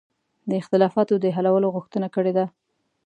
د اختلافاتو د حلولو غوښتنه کړې ده.